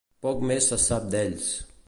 Poc més se sap d'ells.